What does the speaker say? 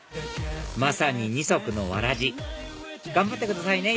まさに二足のわらじ頑張ってくださいね